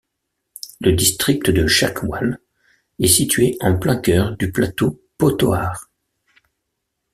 Le district de Chakwal est situé en plein cœur du plateau Pothohar.